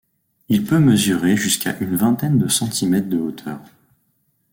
Il peut mesurer jusqu'à une vingtaine de centimètres de hauteur.